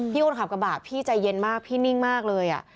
คนขับกระบะพี่ใจเย็นมากพี่นิ่งมากเลย